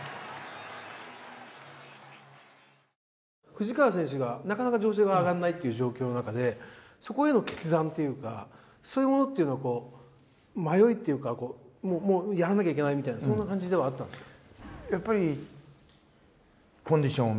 藤川選手がなかなか調子が上がらないっていう状況の中でそこへの決断っていうかそういうものっていうのは迷いっていうかやらなきゃいけないみたいなそんな感じではあったんですか？